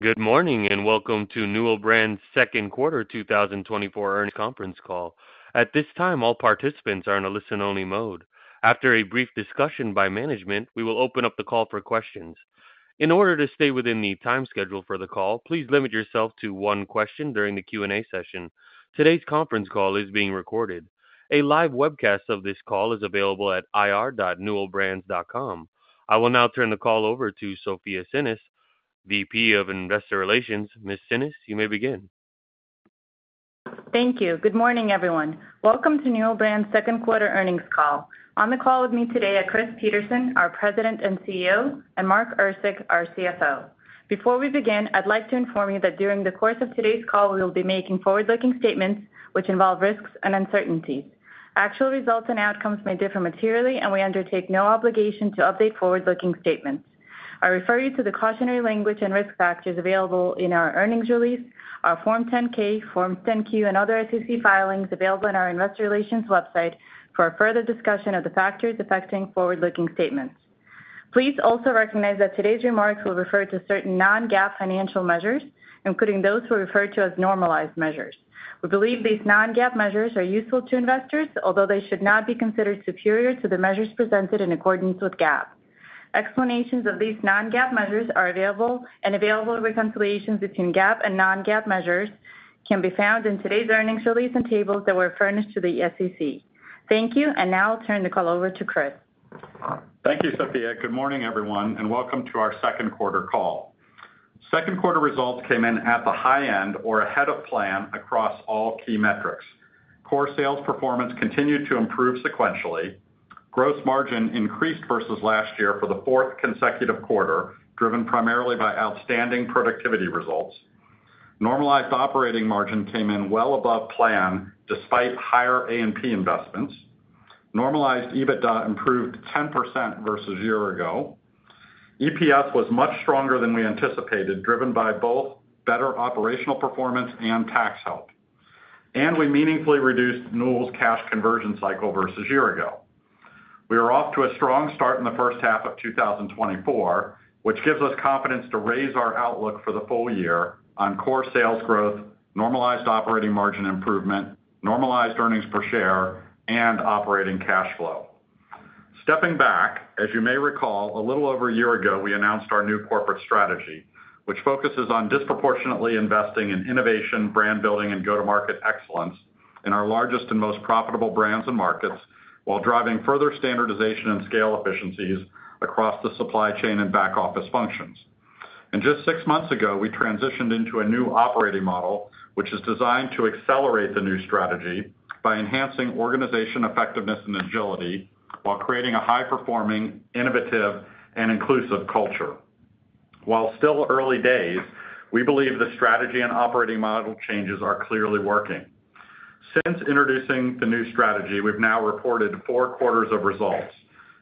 Good morning and welcome to Newell Brands' second quarter 2024 earnings conference call. At this time, all participants are in a listen-only mode. After a brief discussion by management, we will open up the call for questions. In order to stay within the time schedule for the call, please limit yourself to one question during the Q&A session. Today's conference call is being recorded. A live webcast of this call is available at ir.newellbrands.com. I will now turn the call over to Sofya Tsinis, VP of Investor Relations. Ms. Tsinis, you may begin. Thank you. Good morning, everyone. Welcome to Newell Brands' second quarter earnings call. On the call with me today are Chris Peterson, our President and CEO, and Mark Erceg, our CFO. Before we begin, I'd like to inform you that during the course of today's call, we will be making forward-looking statements which involve risks and uncertainties. Actual results and outcomes may differ materially, and we undertake no obligation to update forward-looking statements. I refer you to the cautionary language and risk factors available in our earnings release, our Form 10-K, Form 10-Q, and other SEC filings available on our Investor Relations website for further discussion of the factors affecting forward-looking statements. Please also recognize that today's remarks will refer to certain non-GAAP financial measures, including those we refer to as normalized measures. We believe these non-GAAP measures are useful to investors, although they should not be considered superior to the measures presented in accordance with GAAP. Explanations of these non-GAAP measures are available, and available reconciliations between GAAP and non-GAAP measures can be found in today's earnings release and tables that were furnished to the SEC. Thank you, and now I'll turn the call over to Chris. Thank you, Sofya. Good morning, everyone, and welcome to our second quarter call. Second quarter results came in at the high end or ahead of plan across all key metrics. Core sales performance continued to improve sequentially. Gross margin increased versus last year for the fourth consecutive quarter, driven primarily by outstanding productivity results. Normalized operating margin came in well above plan despite higher A&P investments. Normalized EBITDA improved 10% versus a year ago. EPS was much stronger than we anticipated, driven by both better operational performance and tax help. We meaningfully reduced Newell's cash conversion cycle versus a year ago. We are off to a strong start in the first half of 2024, which gives us confidence to raise our outlook for the full year on core sales growth, normalized operating margin improvement, normalized earnings per share, and operating cash flow. Stepping back, as you may recall, a little over a year ago, we announced our new corporate strategy, which focuses on disproportionately investing in innovation, brand building, and go-to-market excellence in our largest and most profitable brands and markets while driving further standardization and scale efficiencies across the supply chain and back office functions. Just six months ago, we transitioned into a new operating model, which is designed to accelerate the new strategy by enhancing organization effectiveness and agility while creating a high-performing, innovative, and inclusive culture. While still early days, we believe the strategy and operating model changes are clearly working. Since introducing the new strategy, we've now reported four quarters of results.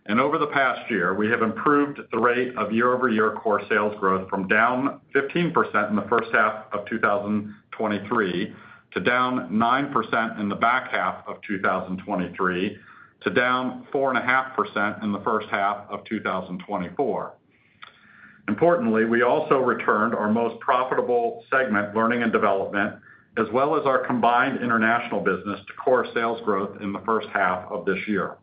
Over the past year, we have improved the rate of year-over-year core sales growth from down 15% in the first half of 2023 to down 9% in the back half of 2023 to down 4.5% in the first half of 2024. Importantly, we also returned our most profitable segment, Learning & Development, as well as our combined international business to core sales growth in the first half of this year.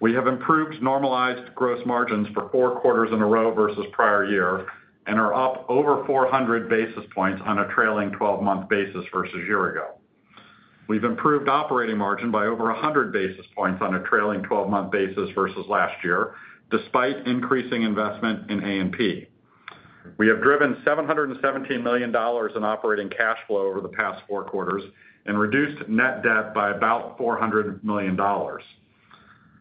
We have improved normalized gross margins for four quarters in a row versus prior-year and are up over 400 basis points on a trailing 12-month basis versus a year ago. We've improved operating margin by over 100 basis points on a trailing 12-month basis versus last year, despite increasing investment in A&P. We have driven $717 million in operating cash flow over the past four quarters and reduced net debt by about $400 million.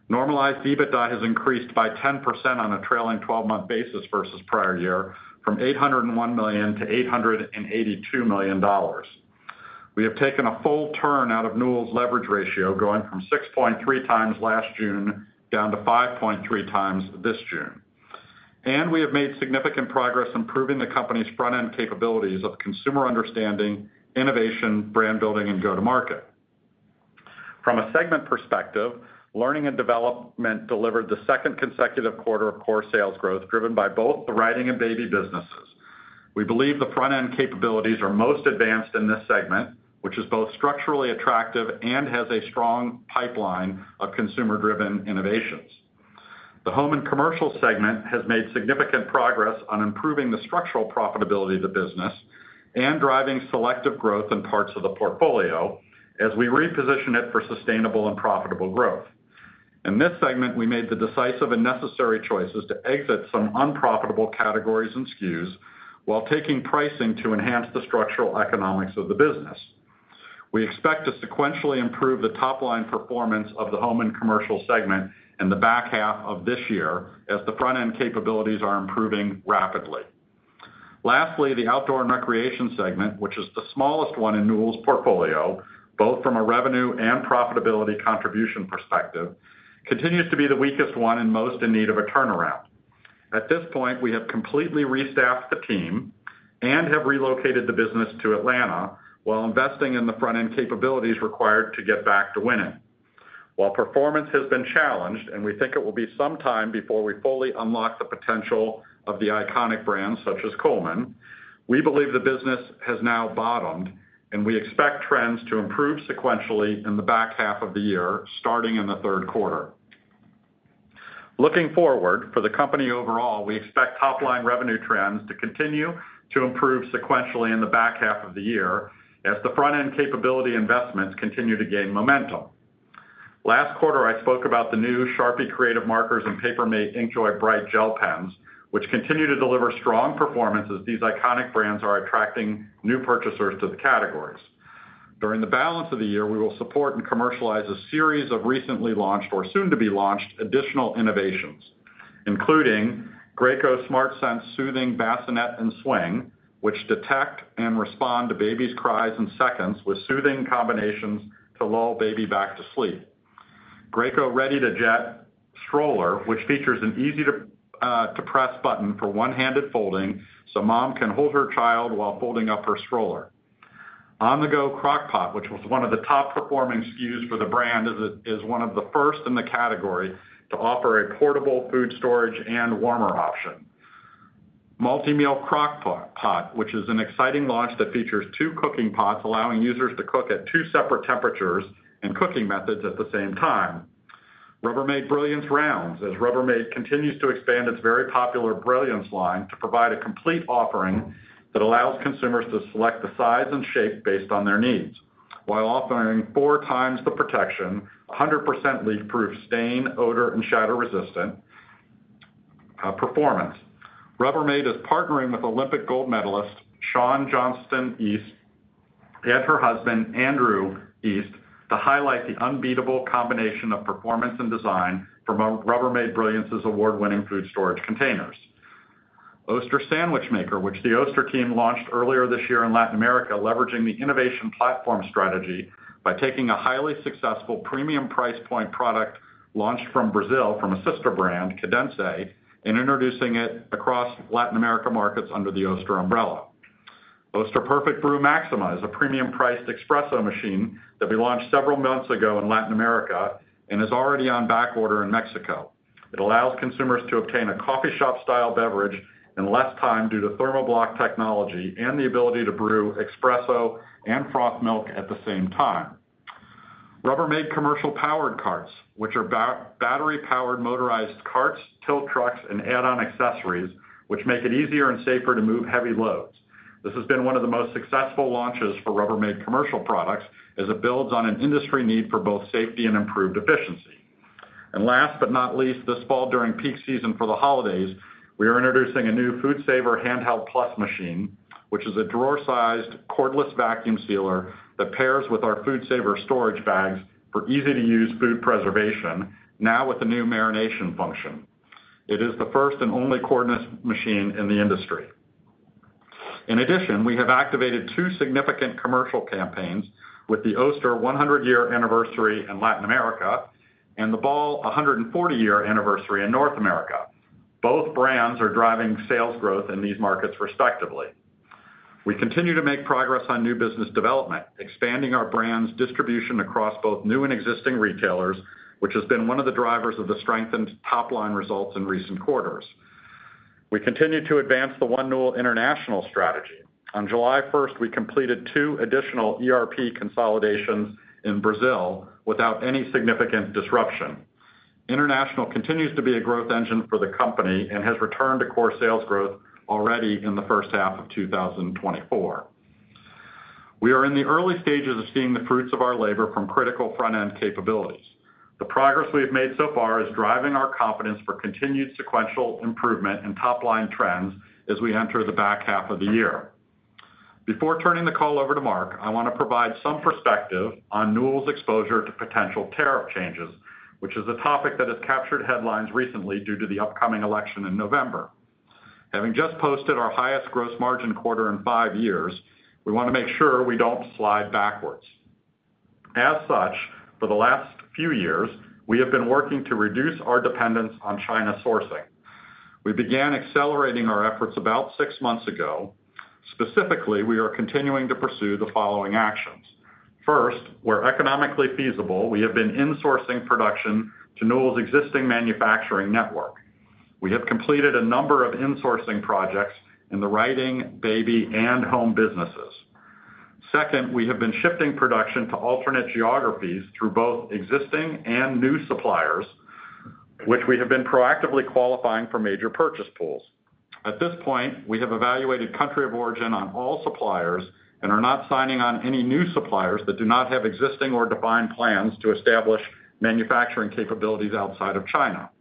Normalized EBITDA has increased by 10% on a trailing 12-month basis versus prior-year, from $801 million to $882 million. We have taken a full turn out of Newell's leverage ratio, going from 6.3x last June down to 5.3x this June. We have made significant progress improving the company's front-end capabilities of consumer understanding, innovation, brand building, and go-to-market. From a segment perspective, Learning & Development delivered the second consecutive quarter of core sales growth, driven by both the writing and baby businesses. We believe the front-end capabilities are most advanced in this segment, which is both structurally attractive and has a strong pipeline of consumer-driven innovations. The Home & Commercial segment has made significant progress on improving the structural profitability of the business and driving selective growth in parts of the portfolio as we reposition it for sustainable and profitable growth. In this segment, we made the decisive and necessary choices to exit some unprofitable categories and SKUs while taking pricing to enhance the structural economics of the business. We expect to sequentially improve the top-line performance of the Home & Commercial segment in the back half of this year as the front-end capabilities are improving rapidly. Lastly, the Outdoor & Recreation segment, which is the smallest one in Newell's portfolio, both from a revenue and profitability contribution perspective, continues to be the weakest one and most in need of a turnaround. At this point, we have completely restaffed the team and have relocated the business to Atlanta while investing in the front-end capabilities required to get back to winning. While performance has been challenged, and we think it will be some time before we fully unlock the potential of the iconic brands such as Coleman, we believe the business has now bottomed, and we expect trends to improve sequentially in the back half of the year, starting in the third quarter. Looking forward for the company overall, we expect top-line revenue trends to continue to improve sequentially in the back half of the year as the front-end capability investments continue to gain momentum. Last quarter, I spoke about the new Sharpie Creative Markers and Paper Mate InkJoy Bright Gel Pens, which continue to deliver strong performance as these iconic brands are attracting new purchasers to the categories. During the balance of the year, we will support and commercialize a series of recently launched or soon to be launched additional innovations, including Graco SmartSense Soothing Bassinet and Swing, which detect and respond to babies' cries in seconds with soothing combinations to lull baby back to sleep. Graco Ready2Jet Stroller, which features an easy-to-press button for one-handed folding so mom can hold her child while folding up her stroller. Crock-Pot On-the-Go, which was one of the top-performing SKUs for the brand, is one of the first in the category to offer a portable food storage and warmer option. Crock-Pot Multi-Meal, which is an exciting launch that features two cooking pots allowing users to cook at two separate temperatures and cooking methods at the same time. Rubbermaid Brilliance Rounds, as Rubbermaid continues to expand its very popular Brilliance line to provide a complete offering that allows consumers to select the size and shape based on their needs. While offering four times the protection, 100% leak-proof stain, odor, and shatter-resistant performance, Rubbermaid is partnering with Olympic gold medalist Shawn Johnson East and her husband, Andrew East, to highlight the unbeatable combination of performance and design from Rubbermaid Brilliance's award-winning food storage containers. Oster Sandwich Maker, which the Oster team launched earlier this year in Latin America, leveraging the innovation platform strategy by taking a highly successful premium price point product launched from Brazil from a sister brand, Cadence, and introducing it across Latin America markets under the Oster umbrella. Oster Perfect Brew Maxima, a premium-priced espresso machine that we launched several months ago in Latin America and is already on back order in Mexico. It allows consumers to obtain a coffee shop-style beverage in less time due to thermoblock technology and the ability to brew espresso and froth milk at the same time. Rubbermaid Commercial Powered Carts, which are battery-powered motorized carts, tilt trucks, and add-on accessories, which make it easier and safer to move heavy loads. This has been one of the most successful launches for Rubbermaid Commercial products as it builds on an industry need for both safety and improved efficiency. And last but not least, this fall during peak season for the holidays, we are introducing a new FoodSaver Handheld Plus machine, which is a drawer-sized cordless vacuum sealer that pairs with our FoodSaver storage bags for easy-to-use food preservation, now with a new marination function. It is the first and only cordless machine in the industry. In addition, we have activated two significant commercial campaigns with the Oster 100-year anniversary in Latin America and the Ball 140-year anniversary in North America. Both brands are driving sales growth in these markets respectively. We continue to make progress on new business development, expanding our brand's distribution across both new and existing retailers, which has been one of the drivers of the strengthened top-line results in recent quarters. We continue to advance the One Newell International strategy. On July 1st, we completed two additional ERP consolidations in Brazil without any significant disruption. International continues to be a growth engine for the company and has returned to core sales growth already in the first half of 2024. We are in the early stages of seeing the fruits of our labor from critical front-end capabilities. The progress we have made so far is driving our confidence for continued sequential improvement and top-line trends as we enter the back half of the year. Before turning the call over to Mark, I want to provide some perspective on Newell's exposure to potential tariff changes, which is a topic that has captured headlines recently due to the upcoming election in November. Having just posted our highest gross margin quarter in five years, we want to make sure we don't slide backwards. As such, for the last few years, we have been working to reduce our dependence on China sourcing. We began accelerating our efforts about six months ago. Specifically, we are continuing to pursue the following actions. First, where economically feasible, we have been insourcing production to Newell's existing manufacturing network. We have completed a number of insourcing projects in the writing, baby, and home businesses. Second, we have been shifting production to alternate geographies through both existing and new suppliers, which we have been proactively qualifying for major purchase pools. At this point, we have evaluated country of origin on all suppliers and are not signing on any new suppliers that do not have existing or defined plans to establish manufacturing capabilities outside of China.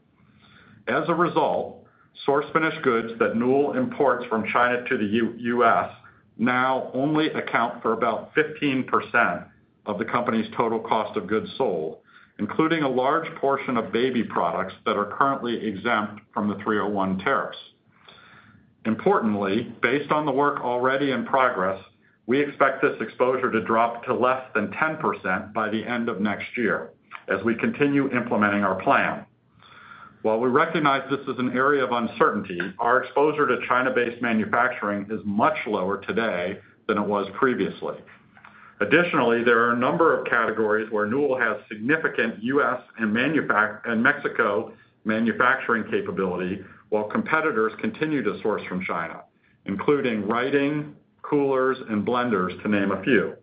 As a result, source-finished goods that Newell imports from China to the U.S. now only account for about 15% of the company's total cost of goods sold, including a large portion of baby products that are currently exempt from the 301 tariffs. Importantly, based on the work already in progress, we expect this exposure to drop to less than 10% by the end of next year as we continue implementing our plan. While we recognize this is an area of uncertainty, our exposure to China-based manufacturing is much lower today than it was previously. Additionally, there are a number of categories where Newell has significant U.S. and Mexico manufacturing capability while competitors continue to source from China, including writing, coolers, and blenders, to name a few.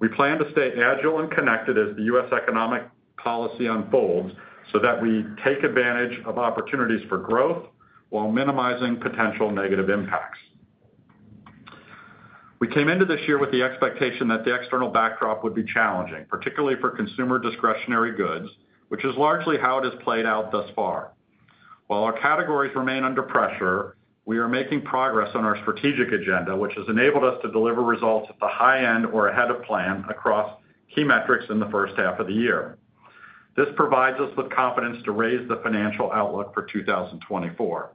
We plan to stay agile and connected as the U.S. economic policy unfolds so that we take advantage of opportunities for growth while minimizing potential negative impacts. We came into this year with the expectation that the external backdrop would be challenging, particularly for consumer discretionary goods, which is largely how it has played out thus far. While our categories remain under pressure, we are making progress on our strategic agenda, which has enabled us to deliver results at the high end or ahead of plan across key metrics in the first half of the year. This provides us with confidence to raise the financial outlook for 2024.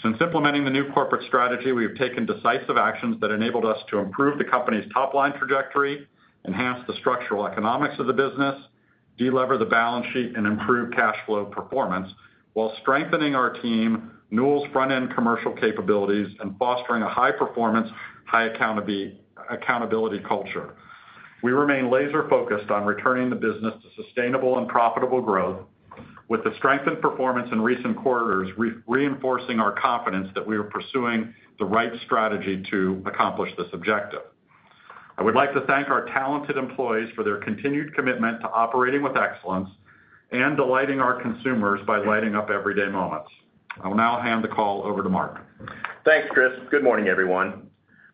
Since implementing the new corporate strategy, we have taken decisive actions that enabled us to improve the company's top-line trajectory, enhance the structural economics of the business, delever the balance sheet, and improve cash flow performance while strengthening our team, Newell's front-end commercial capabilities, and fostering a high-performance, high-accountability culture. We remain laser-focused on returning the business to sustainable and profitable growth, with the strengthened performance in recent quarters reinforcing our confidence that we are pursuing the right strategy to accomplish this objective. I would like to thank our talented employees for their continued commitment to operating with excellence and delighting our consumers by lighting up everyday moments. I will now hand the call over to Mark. Thanks, Chris. Good morning, everyone.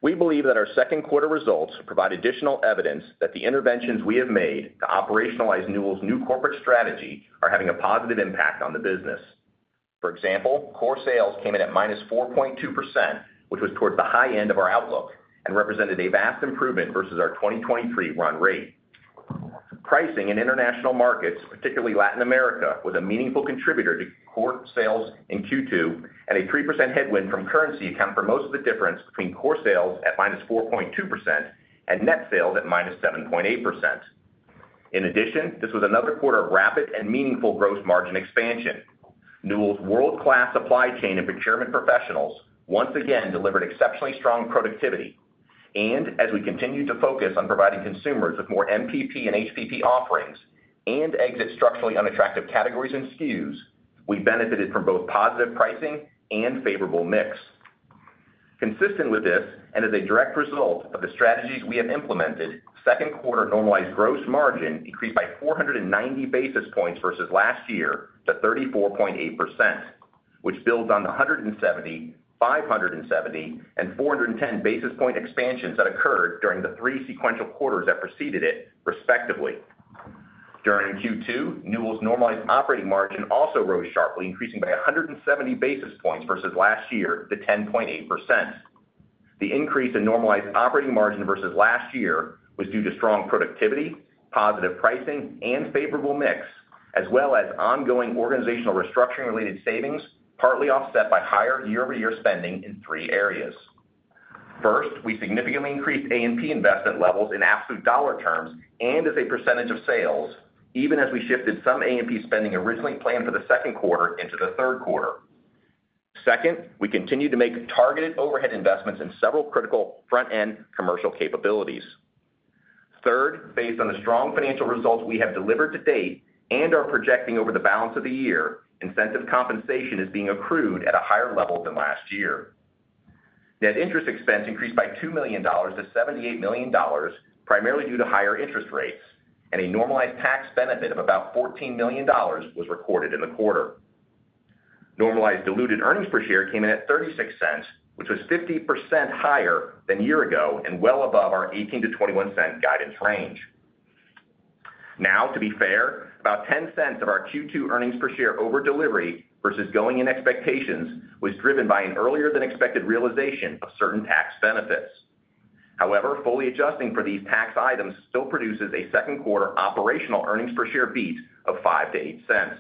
We believe that our second quarter results provide additional evidence that the interventions we have made to operationalize Newell's new corporate strategy are having a positive impact on the business. For example, core sales came in at -4.2%, which was towards the high end of our outlook and represented a vast improvement versus our 2023 run rate. Pricing in international markets, particularly Latin America, was a meaningful contributor to core sales in Q2, and a 3% headwind from currency accounted for most of the difference between core sales at -4.2% and net sales at -7.8%. In addition, this was another quarter of rapid and meaningful gross margin expansion. Newell's world-class supply chain and procurement professionals once again delivered exceptionally strong productivity. As we continue to focus on providing consumers with more MPP and HPP offerings and exit structurally unattractive categories and SKUs, we benefited from both positive pricing and favorable mix. Consistent with this, and as a direct result of the strategies we have implemented, second quarter normalized gross margin increased by 490 basis points versus last year to 34.8%, which builds on the 170 basis points, 570 basis points, and 410 basis point expansions that occurred during the three sequential quarters that preceded it, respectively. During Q2, Newell's normalized operating margin also rose sharply, increasing by 170 basis points versus last year to 10.8%. The increase in normalized operating margin versus last year was due to strong productivity, positive pricing, and favorable mix, as well as ongoing organizational restructuring-related savings, partly offset by higher year-over-year spending in three areas. First, we significantly increased A&P investment levels in absolute dollar terms and as a percentage of sales, even as we shifted some A&P spending originally planned for the second quarter into the third quarter. Second, we continue to make targeted overhead investments in several critical front-end commercial capabilities. Third, based on the strong financial results we have delivered to date and are projecting over the balance of the year, incentive compensation is being accrued at a higher level than last year. Net interest expense increased by $2 million to $78 million, primarily due to higher interest rates, and a normalized tax benefit of about $14 million was recorded in the quarter. Normalized diluted earnings per share came in at $0.36, which was 50% higher than a year ago and well above our $0.18-$0.21 guidance range. Now, to be fair, about $0.10 of our Q2 earnings per share over delivery versus going in expectations was driven by an earlier-than-expected realization of certain tax benefits. However, fully adjusting for these tax items still produces a second quarter operational earnings per share beat of $0.05-$0.08.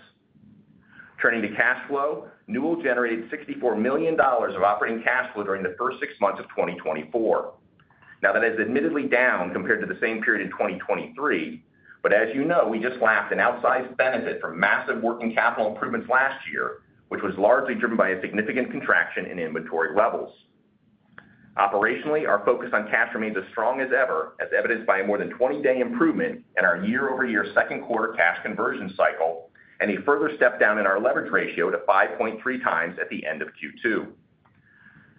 Turning to cash flow, Newell generated $64 million of operating cash flow during the first six months of 2024. Now, that is admittedly down compared to the same period in 2023, but as you know, we just lacked an outsized benefit from massive working capital improvements last year, which was largely driven by a significant contraction in inventory levels. Operationally, our focus on cash remains as strong as ever, as evidenced by a more than 20-day improvement in our year-over-year second quarter cash conversion cycle and a further step down in our leverage ratio to 5.3x at the end of Q2.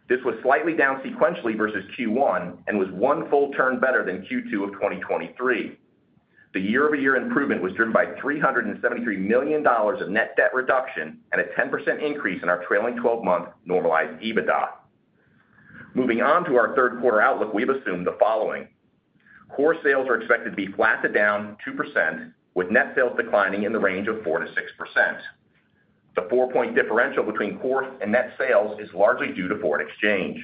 This was slightly down sequentially versus Q1 and was one full turn better than Q2 of 2023. The year-over-year improvement was driven by $373 million of net debt reduction and a 10% increase in our trailing 12-month normalized EBITDA. Moving on to our third quarter outlook, we have assumed the following. Core sales are expected to be flattened down 2%, with net sales declining in the range of 4%-6%. The four-point differential between core and net sales is largely due to foreign exchange.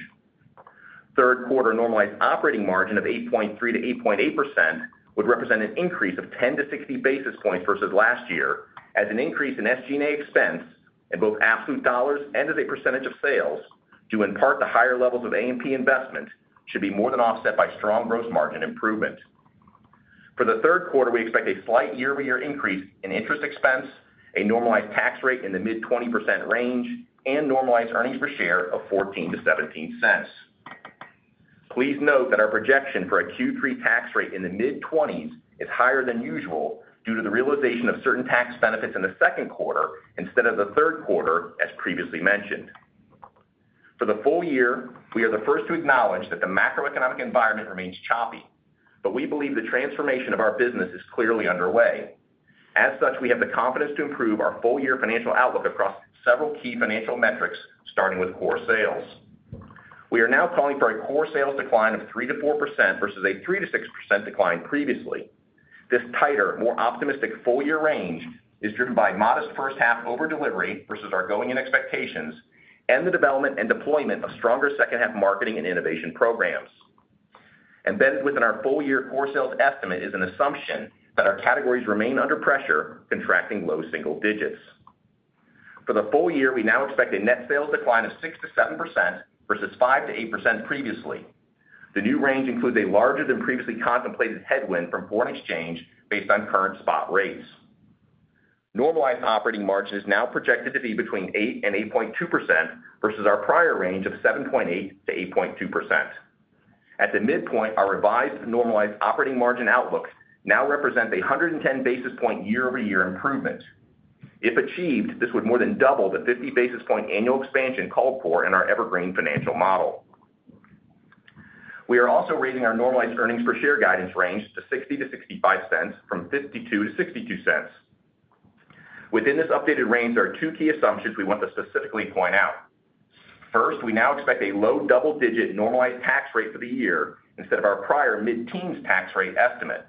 Third quarter normalized operating margin of 8.3%-8.8% would represent an increase of 10-60 basis points versus last year, as an increase in SG&A expense in both absolute dollars and as a percentage of sales, due in part to higher levels of A&P investment, should be more than offset by strong gross margin improvement. For the third quarter, we expect a slight year-over-year increase in interest expense, a normalized tax rate in the mid-20% range, and normalized earnings per share of $0.14-$0.17. Please note that our projection for a Q3 tax rate in the mid-20s% is higher than usual due to the realization of certain tax benefits in the second quarter instead of the third quarter, as previously mentioned. For the full year, we are the first to acknowledge that the macroeconomic environment remains choppy, but we believe the transformation of our business is clearly underway. As such, we have the confidence to improve our full-year financial outlook across several key financial metrics, starting with core sales. We are now calling for a core sales decline of 3%-4% versus a 3%-6% decline previously. This tighter, more optimistic full-year range is driven by modest first-half overdelivery versus our going-in expectations and the development and deployment of stronger second-half marketing and innovation programs. Embedded within our full-year core sales estimate is an assumption that our categories remain under pressure, contracting low single digits. For the full year, we now expect a net sales decline of 6%-7% versus 5%-8% previously. The new range includes a larger-than-previously contemplated headwind from foreign exchange based on current spot rates. Normalized operating margin is now projected to be between 8%-8.2% versus our prior range of 7.8%-8.2%. At the midpoint, our revised normalized operating margin outlook now represents a 110 basis point year-over-year improvement. If achieved, this would more than double the 50 basis point annual expansion called for in our evergreen financial model. We are also raising our normalized earnings per share guidance range to $0.60-$0.65 from $0.52-$0.62. Within this updated range, there are two key assumptions we want to specifically point out. First, we now expect a low double-digit normalized tax rate for the year instead of our prior mid-teens tax rate estimate.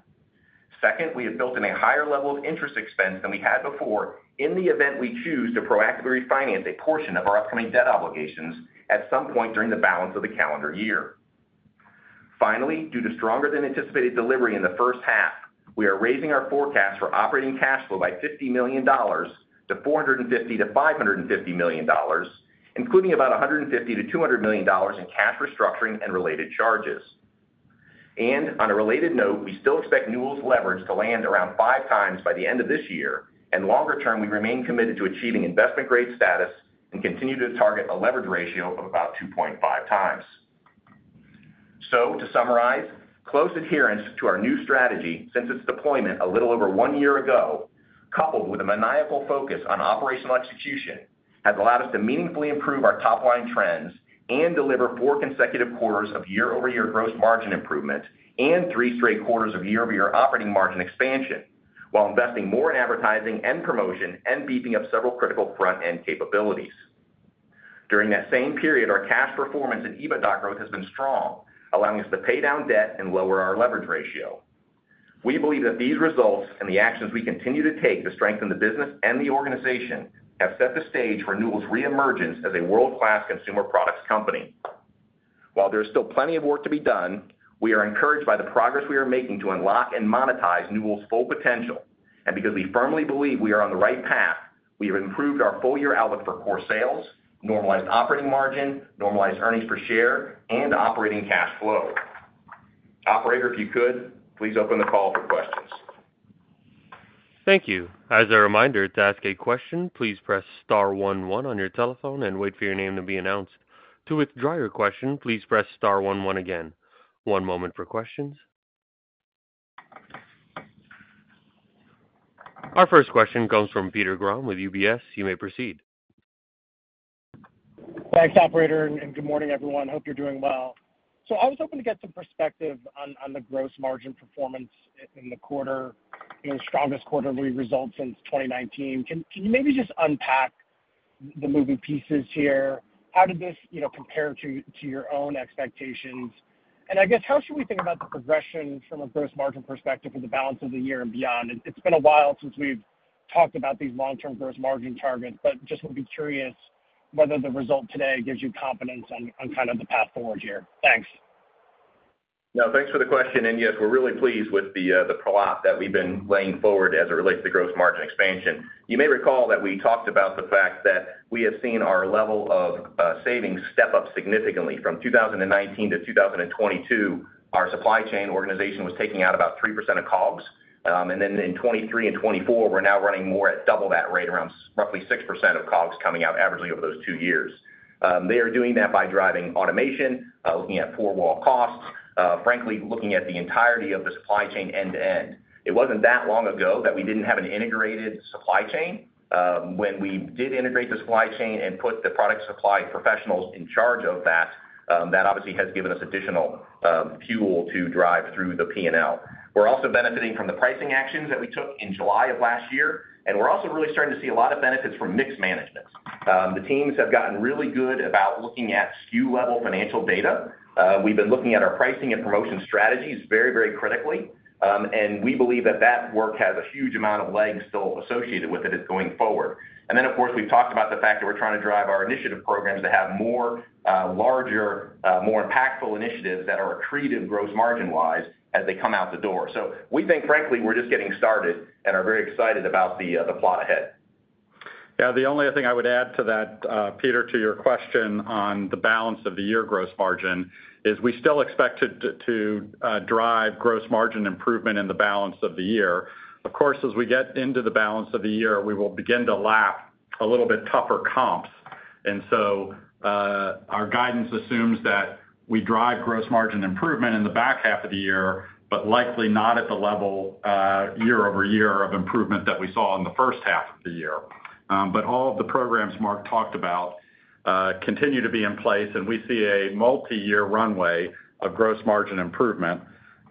Second, we have built in a higher level of interest expense than we had before in the event we choose to proactively refinance a portion of our upcoming debt obligations at some point during the balance of the calendar year. Finally, due to stronger-than-anticipated delivery in the first half, we are raising our forecast for operating cash flow by $50 million to $450-$550 million, including about $150-$200 million in cash restructuring and related charges. On a related note, we still expect Newell's leverage to land around five times by the end of this year, and longer-term, we remain committed to achieving investment-grade status and continue to target a leverage ratio of about 2.5x. To summarize, close adherence to our new strategy since its deployment a little over one year ago, coupled with a maniacal focus on operational execution, has allowed us to meaningfully improve our top-line trends and deliver four consecutive quarters of year-over-year gross margin improvement and three straight quarters of year-over-year operating margin expansion while investing more in advertising and promotion and beefing up several critical front-end capabilities. During that same period, our cash performance and EBITDA growth has been strong, allowing us to pay down debt and lower our leverage ratio. We believe that these results and the actions we continue to take to strengthen the business and the organization have set the stage for Newell's reemergence as a world-class consumer products company. While there is still plenty of work to be done, we are encouraged by the progress we are making to unlock and monetize Newell's full potential. Because we firmly believe we are on the right path, we have improved our full-year outlook for core sales, normalized operating margin, normalized earnings per share, and operating cash flow. Operator, if you could, please open the call for questions. Thank you. As a reminder, to ask a question, please press star one one on your telephone and wait for your name to be announced. To withdraw your question, please press star one one again. One moment for questions. Our first question comes from Peter Grom with UBS. You may proceed. Thanks, Operator. And good morning, everyone. Hope you're doing well. So I was hoping to get some perspective on the gross margin performance in the quarter, the strongest quarterly result since 2019. Can you maybe just unpack the moving pieces here? How did this compare to your own expectations? I guess, how should we think about the progression from a gross margin perspective for the balance of the year and beyond? It's been a while since we've talked about these long-term gross margin targets, but just would be curious whether the result today gives you confidence on kind of the path forward here. Thanks. No, thanks for the question. Yes, we're really pleased with the prelude that we've been laying forward as it relates to gross margin expansion. You may recall that we talked about the fact that we have seen our level of savings step up significantly. From 2019 to 2022, our supply chain organization was taking out about 3% of COGS. And then in 2023 and 2024, we're now running more at double that rate, around roughly 6% of COGS coming out averagely over those two years. They are doing that by driving automation, looking at four-wall costs, frankly, looking at the entirety of the supply chain end-to-end. It wasn't that long ago that we didn't have an integrated supply chain. When we did integrate the supply chain and put the product supply professionals in charge of that, that obviously has given us additional fuel to drive through the P&L. We're also benefiting from the pricing actions that we took in July of last year. We're also really starting to see a lot of benefits from mix management. The teams have gotten really good about looking at SKU-level financial data. We've been looking at our pricing and promotion strategies very, very critically. We believe that that work has a huge amount of legs still associated with it going forward. And then, of course, we've talked about the fact that we're trying to drive our initiative programs to have more larger, more impactful initiatives that are accretive gross margin-wise as they come out the door. So we think, frankly, we're just getting started and are very excited about the path ahead. Yeah, the only other thing I would add to that, Peter, to your question on the balance of the year gross margin is we still expect to drive gross margin improvement in the balance of the year. Of course, as we get into the balance of the year, we will begin to lap a little bit tougher comps. And so our guidance assumes that we drive gross margin improvement in the back half of the year, but likely not at the level year-over-year of improvement that we saw in the first half of the year. But all of the programs Mark talked about continue to be in place, and we see a multi-year runway of gross margin improvement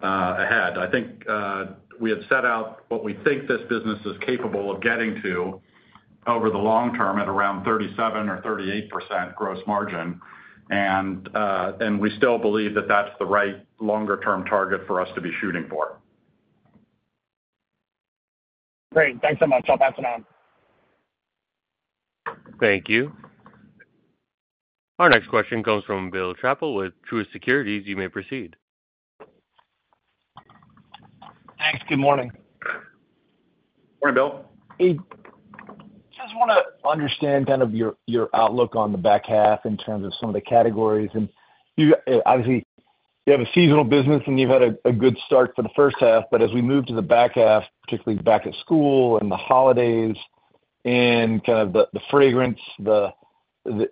ahead. I think we have set out what we think this business is capable of getting to over the long term at around 37%-38% gross margin. And we still believe that that's the right longer-term target for us to be shooting for. Great. Thanks so much. I'll pass it on. Thank you. Our next question comes from Bill Chappell with Truist Securities. You may proceed. Thanks. Good morning. Morning, Bill. Just want to understand kind of your outlook on the back half in terms of some of the categories. And obviously, you have a seasonal business, and you've had a good start for the first half. But as we move to the back half, particularly back-to-school and the holidays and kind of the fragrance, the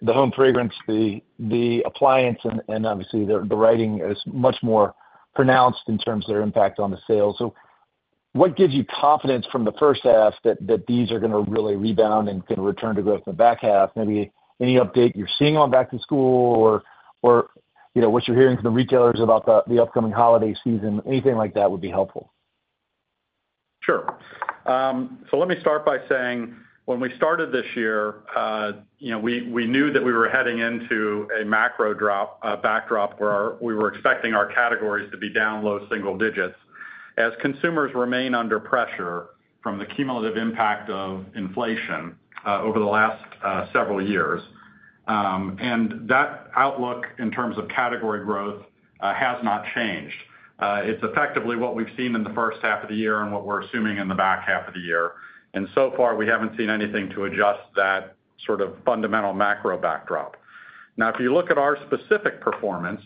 home fragrance, the appliance, and obviously, the writing is much more pronounced in terms of their impact on the sales. So what gives you confidence from the first half that these are going to really rebound and kind of return to growth in the back half? Maybe any update you're seeing on back-to-school or what you're hearing from the retailers about the upcoming holiday season, anything like that would be helpful. Sure. So let me start by saying when we started this year, we knew that we were heading into a macro backdrop where we were expecting our categories to be down low single digits. As consumers remain under pressure from the cumulative impact of inflation over the last several years, and that outlook in terms of category growth has not changed. It's effectively what we've seen in the first half of the year and what we're assuming in the back half of the year. And so far, we haven't seen anything to adjust that sort of fundamental macro backdrop. Now, if you look at our specific performance,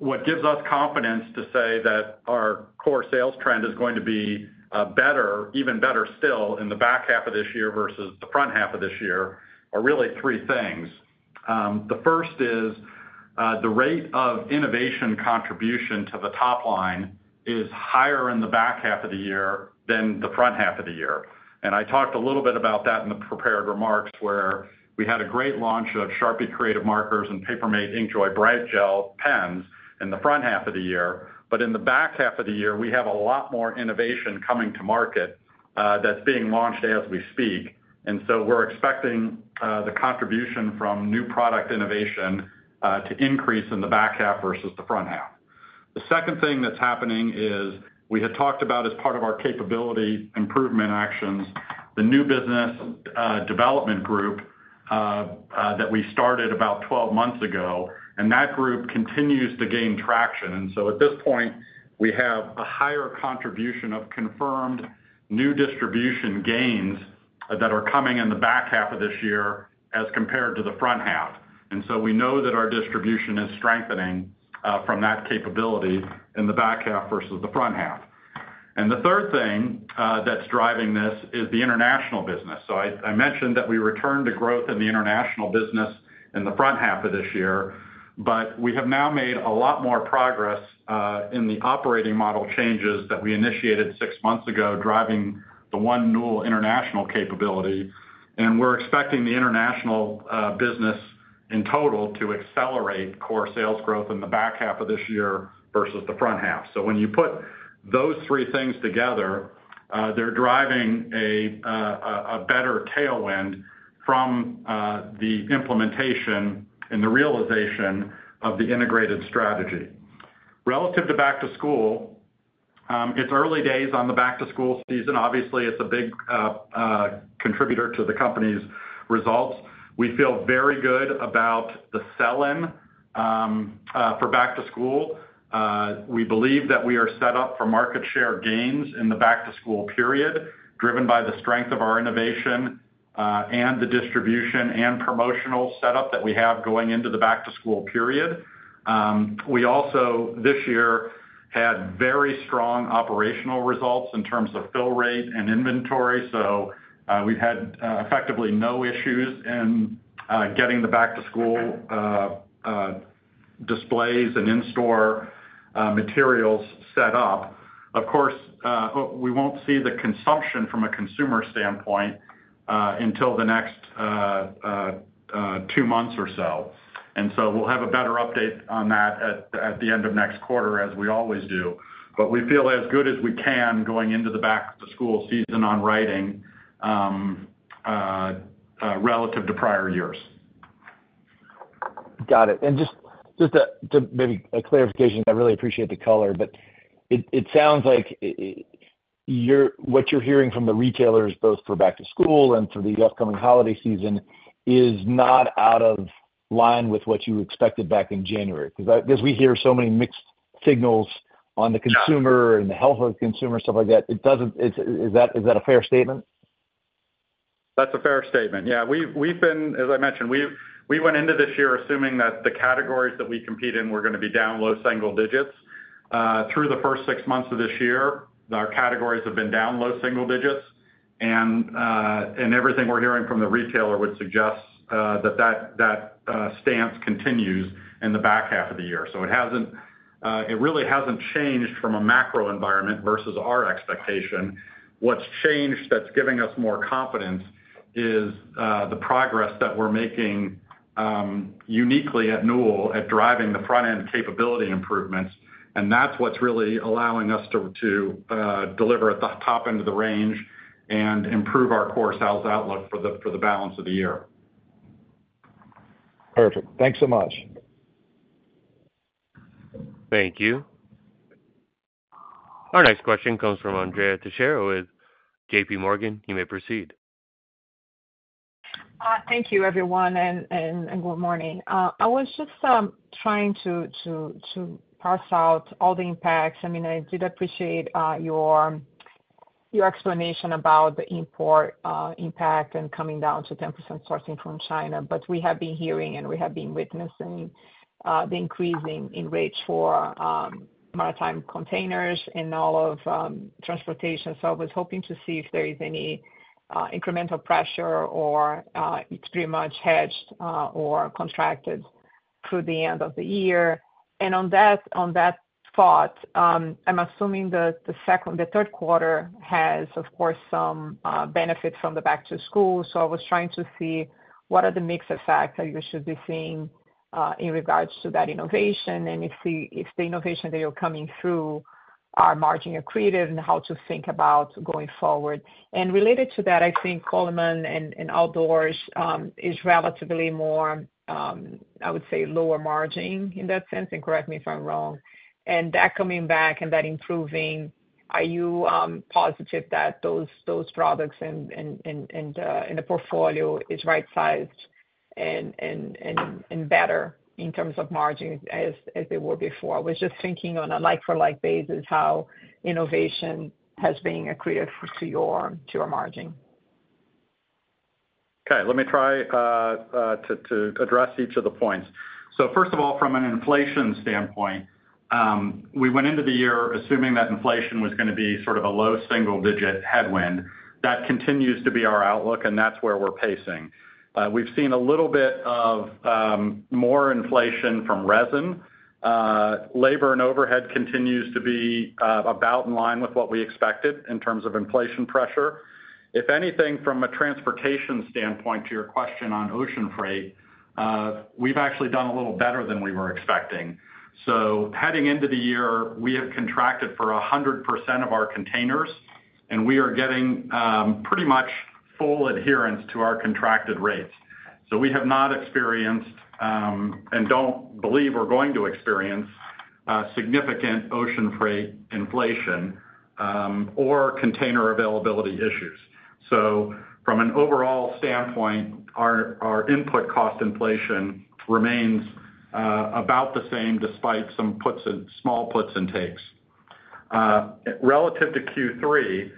what gives us confidence to say that our core sales trend is going to be better, even better still in the back half of this year versus the front half of this year are really three things. The first is the rate of innovation contribution to the top line is higher in the back half of the year than the front half of the year. I talked a little bit about that in the prepared remarks where we had a great launch of Sharpie Creative Markers and Paper Mate InkJoy Bright Gel Pens in the front half of the year. But in the back half of the year, we have a lot more innovation coming to market that's being launched as we speak. And so we're expecting the contribution from new product innovation to increase in the back half versus the front half. The second thing that's happening is we had talked about as part of our capability improvement actions, the new business development group that we started about 12 months ago. And that group continues to gain traction. And so at this point, we have a higher contribution of confirmed new distribution gains that are coming in the back half of this year as compared to the front half. And so we know that our distribution is strengthening from that capability in the back half versus the front half. And the third thing that's driving this is the international business. So I mentioned that we returned to growth in the international business in the front half of this year, but we have now made a lot more progress in the operating model changes that we initiated six months ago, driving the one Newell International capability. And we're expecting the international business in total to accelerate core sales growth in the back half of this year versus the front half. So when you put those three things together, they're driving a better tailwind from the implementation and the realization of the integrated strategy. Relative to back to school, it's early days on the back to school season. Obviously, it's a big contributor to the company's results. We feel very good about the sell-in for back to school. We believe that we are set up for market share gains in the back to school period, driven by the strength of our innovation and the distribution and promotional setup that we have going into the back to school period. We also, this year, had very strong operational results in terms of fill rate and inventory. So we've had effectively no issues in getting the back to school displays and in-store materials set up. Of course, we won't see the consumption from a consumer standpoint until the next two months or so. And so we'll have a better update on that at the end of next quarter, as we always do. But we feel as good as we can going into the back to school season on writing relative to prior years. Got it. And just to maybe a clarification, I really appreciate the color, but it sounds like what you're hearing from the retailers, both for back to school and for the upcoming holiday season, is not out of line with what you expected back in January. Because as we hear so many mixed signals on the consumer and the health of consumers, stuff like that, is that a fair statement? That's a fair statement. Yeah. As I mentioned, we went into this year assuming that the categories that we compete in were going to be down low single digits. Through the first six months of this year, our categories have been down low single digits. And everything we're hearing from the retailer would suggest that that stance continues in the back half of the year. So it really hasn't changed from a macro environment versus our expectation. What's changed that's giving us more confidence is the progress that we're making uniquely at Newell at driving the front-end capability improvements. That's what's really allowing us to deliver at the top end of the range and improve our core sales outlook for the balance of the year. Perfect. Thanks so much. Thank you. Our next question comes from Anne Teixeira with JPMorgan. You may proceed. Thank you, everyone, and good morning. I was just trying to parse out all the impacts. I mean, I did appreciate your explanation about the import impact and coming down to 10% sourcing from China. But we have been hearing and we have been witnessing the increase in rates for maritime containers and all of transportation. So I was hoping to see if there is any incremental pressure or it's pretty much hedged or contracted through the end of the year. On that thought, I'm assuming the third quarter has, of course, some benefit from the back-to-school. So I was trying to see what are the mixed effects that you should be seeing in regards to that innovation and if the innovation that you're coming through are margin accretive and how to think about going forward. Related to that, I think Coleman and Outdoors is relatively more, I would say, lower margin in that sense. And correct me if I'm wrong. And that coming back and that improving, are you positive that those products in the portfolio is right-sized and better in terms of margins as they were before? I was just thinking on a like-for-like basis how innovation has been accretive to your margin. Okay. Let me try to address each of the points. So first of all, from an inflation standpoint, we went into the year assuming that inflation was going to be sort of a low single-digit headwind. That continues to be our outlook, and that's where we're pacing. We've seen a little bit of more inflation from resin. Labor and overhead continues to be about in line with what we expected in terms of inflation pressure. If anything, from a transportation standpoint, to your question on ocean freight, we've actually done a little better than we were expecting. So heading into the year, we have contracted for 100% of our containers, and we are getting pretty much full adherence to our contracted rates. So we have not experienced and don't believe we're going to experience significant ocean freight inflation or container availability issues. So from an overall standpoint, our input cost inflation remains about the same despite some small puts and takes. Relative to Q3,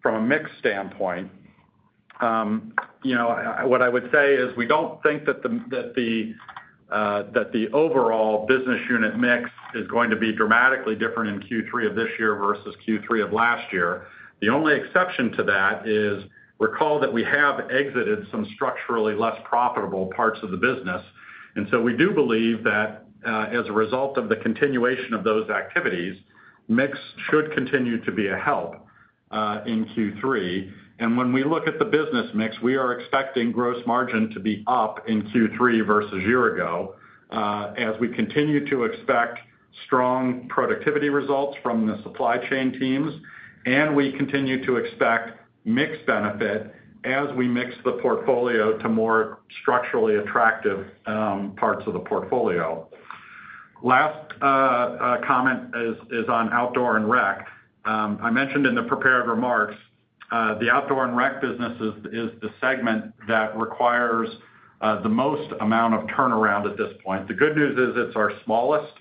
from a mixed standpoint, what I would say is we don't think that the overall business unit mix is going to be dramatically different in Q3 of this year versus Q3 of last year. The only exception to that is recall that we have exited some structurally less profitable parts of the business. And so we do believe that as a result of the continuation of those activities, mix should continue to be a help in Q3. And when we look at the business mix, we are expecting gross margin to be up in Q3 versus year ago as we continue to expect strong productivity results from the supply chain teams. We continue to expect mixed benefit as we mix the portfolio to more structurally attractive parts of the portfolio. Last comment is on Outdoor & Rec. I mentioned in the prepared remarks, the Outdoor & Rec business is the segment that requires the most amount of turnaround at this point. The good news is it's our smallest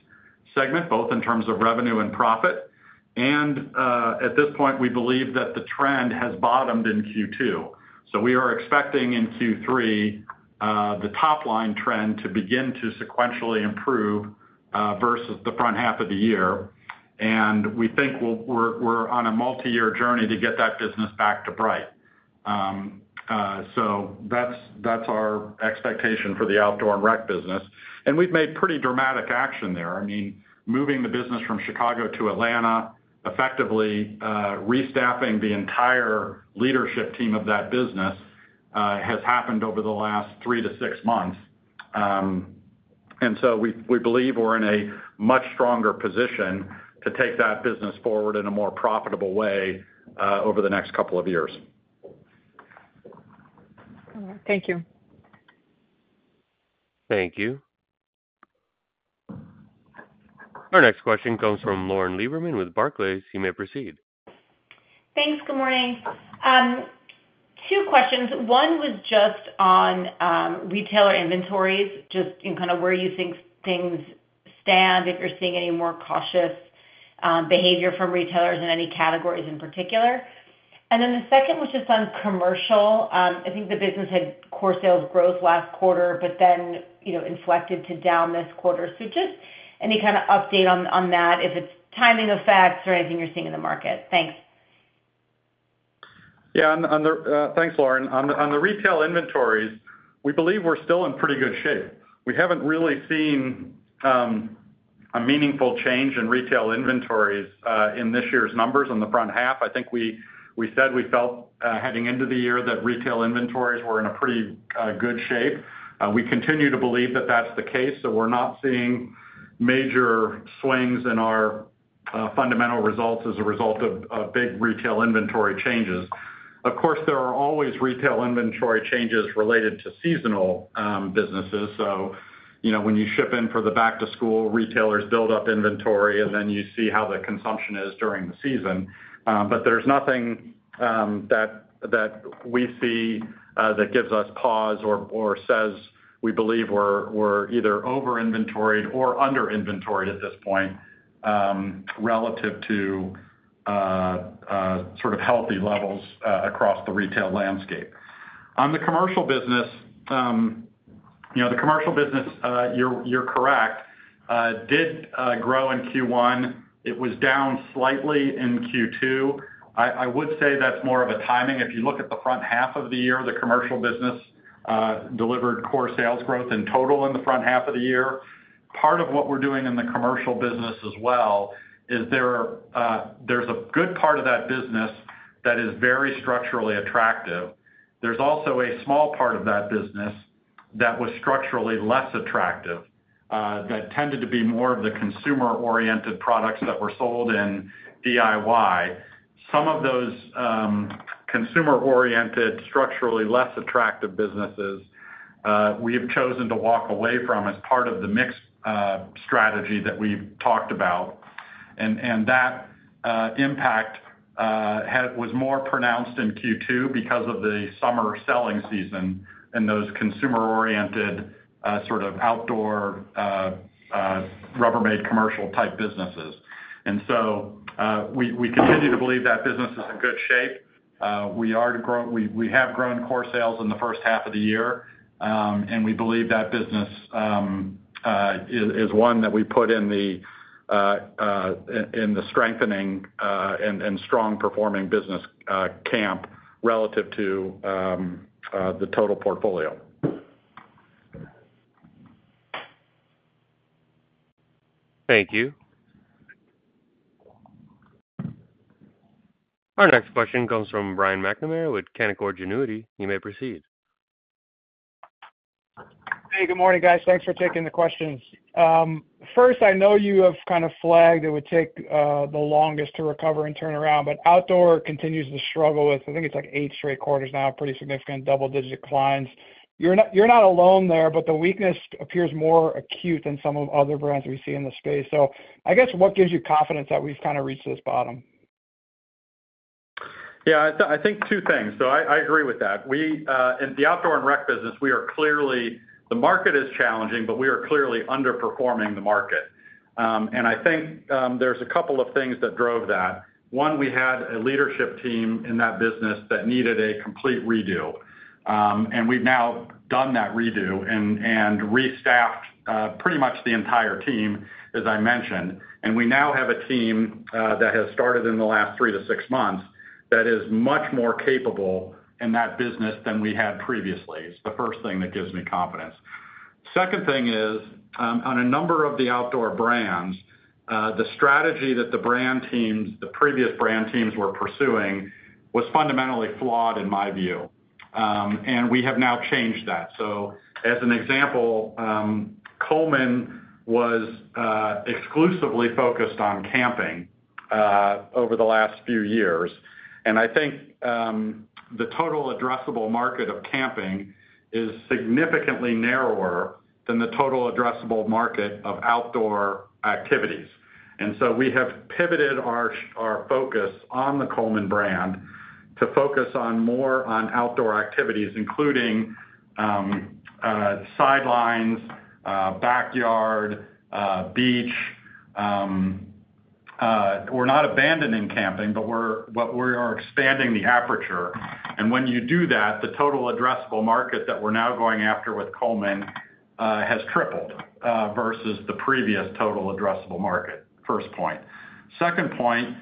segment, both in terms of revenue and profit. At this point, we believe that the trend has bottomed in Q2. So we are expecting in Q3 the top line trend to begin to sequentially improve versus the front half of the year. We think we're on a multi-year journey to get that business back to bright. So that's our expectation for the Outdoor & Rec business. We've mad e pretty dramatic action there. I mean, moving the business from Chicago to Atlanta, effectively restaffing the entire leadership team of that business has happened over the last 3 to 6 months. And so we believe we're in a much stronger position to take that business forward in a more profitable way over the next couple of years. Thank you. Thank you. Our next question comes from Lauren Lieberman with Barclays. You may proceed. Thanks. Good morning. Two questions. One was just on retailer inventories, just kind of where you think things stand, if you're seeing any more cautious behavior from retailers in any categories in particular. And then the second, which is on commercial, I think the business had core sales growth last quarter, but then inflected to down this quarter. So just any kind of update on that, if it's timing effects or anything you're seeing in the market. Thanks. Yeah. Thanks, Lauren. On the retail inventories, we believe we're still in pretty good shape. We haven't really seen a meaningful change in retail inventories in this year's numbers in the front half. I think we said we felt heading into the year that retail inventories were in a pretty good shape. We continue to believe that that's the case. So we're not seeing major swings in our fundamental results as a result of big retail inventory changes. Of course, there are always retail inventory changes related to seasonal businesses. So when you ship in for the back to school, retailers build up inventory, and then you see how the consumption is during the season. But there's nothing that we see that gives us pause or says we believe we're either over-inventoried or under-inventoried at this point relative to sort of healthy levels across the retail landscape. On the commercial business, the commercial business, you're correct, did grow in Q1. It was down slightly in Q2. I would say that's more of a timing. If you look at the front half of the year, the commercial business delivered core sales growth in total in the front half of the year. Part of what we're doing in the commercial business as well is there's a good part of that business that is very structurally attractive. There's also a small part of that business that was structurally less attractive that tended to be more of the consumer-oriented products that were sold in DIY. Some of those consumer-oriented, structurally less attractive businesses we have chosen to walk away from as part of the mixed strategy that we've talked about. And that impact was more pronounced in Q2 because of the summer selling season in those consumer-oriented sort of outdoor Rubbermaid commercial-type businesses. And so we continue to believe that business is in good shape. We have grown core sales in the first half of the year. And we believe that business is one that we put in the strengthening and strong-performing business camp relative to the total portfolio. Thank you. Our next question comes from Brian McNamara with Canaccord Genuity. You may proceed. Hey, good morning, guys. Thanks for taking the questions. First, I know you have kind of flagged it would take the longest to recover and turn around, but Outdoor continues to struggle with, I think it's like eight straight quarters now, pretty significant double-digit declines. You're not alone there, but the weakness appears more acute than some of other brands we see in the space. So I guess what gives you confidence that we've kind of reached this bottom? Yeah. I think two things. So I agree with that. In the Outdoor & Rec business, the market is challenging, but we are clearly underperforming the market. And I think there's a couple of things that drove that. One, we had a leadership team in that business that needed a complete redo. And we've now done that redo and restaffed pretty much the entire team, as I mentioned. And we now have a team that has started in the last 3-6 months that is much more capable in that business than we had previously. It's the first thing that gives me confidence. Second thing is, on a number of the Outdoor brands, the strategy that the previous brand teams were pursuing was fundamentally flawed, in my view. And we have now changed that. So as an example, Coleman was exclusively focused on camping over the last few years. I think the total addressable market of camping is significantly narrower than the total addressable market of outdoor activities. So we have pivoted our focus on the Coleman brand to focus more on outdoor activities, including sidelines, backyard, beach. We're not abandoning camping, but we are expanding the aperture. And when you do that, the total addressable market that we're now going after with Coleman has tripled versus the previous total addressable market. First point. Second point,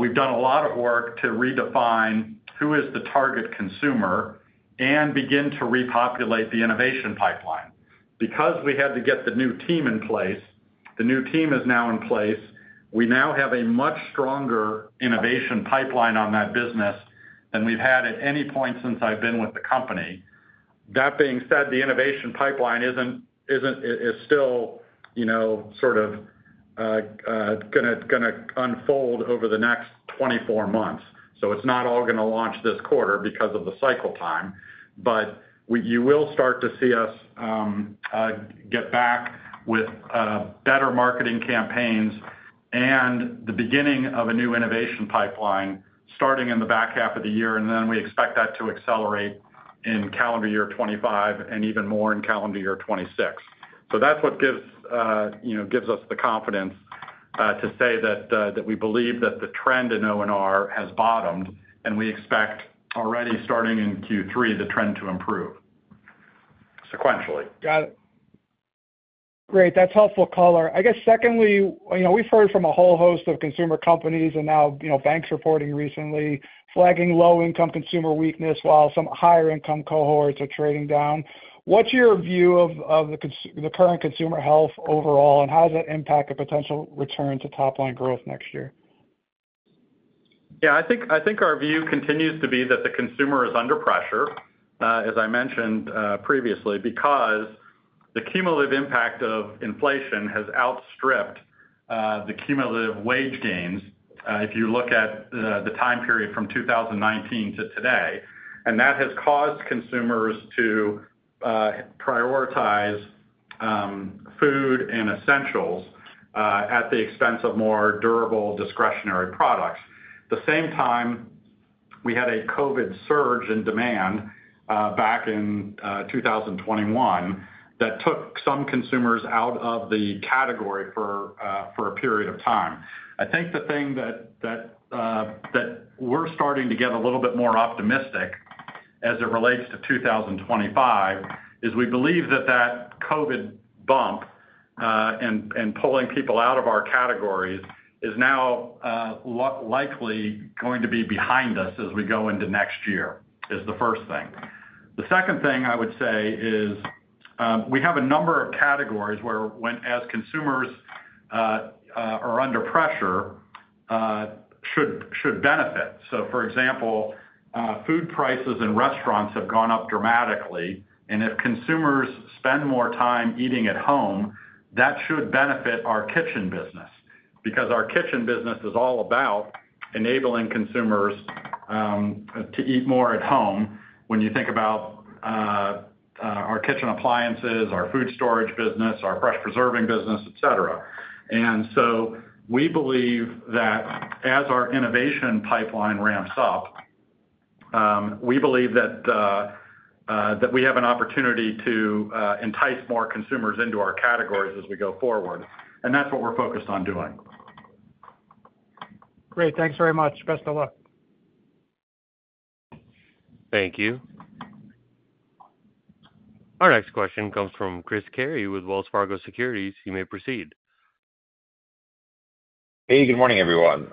we've done a lot of work to redefine who is the target consumer and begin to repopulate the innovation pipeline. Because we had to get the new team in place, the new team is now in place. We now have a much stronger innovation pipeline on that business than we've had at any point since I've been with the company. That being said, the innovation pipeline is still sort of going to unfold over the next 24 months. So it's not all going to launch this quarter because of the cycle time. But you will start to see us get back with better marketing campaigns and the beginning of a new innovation pipeline starting in the back half of the year. Then we expect that to accelerate in calendar year 2025 and even more in calendar year 2026. So that's what gives us the confidence to say that we believe that the trend in O&R has bottomed, and we expect already starting in Q3, the trend to improve sequentially. Got it. Great. That's helpful, caller. I guess, secondly, we've heard from a whole host of consumer companies and now banks reporting recently flagging low-income consumer weakness while some higher-income cohorts are trading down. What's your view of the current consumer health overall, and how does that impact the potential return to top-line growth next year? Yeah. I think our view continues to be that the consumer is under pressure, as I mentioned previously, because the cumulative impact of inflation has outstripped the cumulative wage gains if you look at the time period from 2019 to today. That has caused consumers to prioritize food and essentials at the expense of more durable discretionary products. At the same time, we had a COVID surge in demand back in 2021 that took some consumers out of the category for a period of time. I think the thing that we're starting to get a little bit more optimistic as it relates to 2025 is we believe that that COVID bump and pulling people out of our categories is now likely going to be behind us as we go into next year is the first thing. The second thing I would say is we have a number of categories where, as consumers are under pressure, should benefit. So, for example, food prices in restaurants have gone up dramatically. If consumers spend more time eating at home, that should benefit our kitchen business because our kitchen business is all about enabling consumers to eat more at home when you think about our kitchen appliances, our food storage business, our fresh preserving business, etc. And so we believe that as our innovation pipeline ramps up, we believe that we have an opportunity to entice more consumers into our categories as we go forward. And that's what we're focused on doing. Great. Thanks very much. Best of luck. Thank you. Our next question comes from Chris Carey with Wells Fargo Securities. You may proceed. Hey, good morning, everyone.